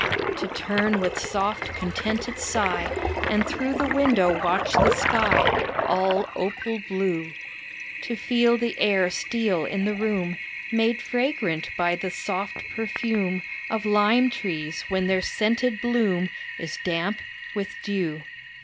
To turn with soft, contented sigh, And through the window watch the sky, All opal blue. To feel the air steal in the room, Made fragrant by the soft perfume Of lime trees, when their scented bloom Is damp with dew.